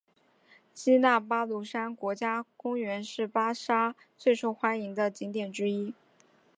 基纳巴卢山国家公园是沙巴最受欢迎的景点之一。